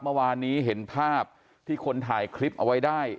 เมื่อวานนี้เห็นภาพที่คนถ่ายคลิปเอาไว้ได้